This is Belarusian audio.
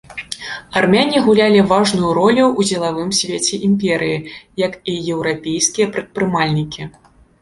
Армяне гулялі важную ролю ў дзелавым свеце імперыі, як і еўрапейскія прадпрымальнікі.